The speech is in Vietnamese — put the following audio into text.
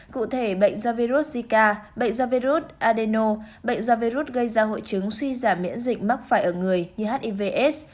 cụ thể bệnh do virus zika bệnh do virus adeno bệnh do virus gây ra hội chứng suy giảm miễn dịch mắc phải ở người như hivs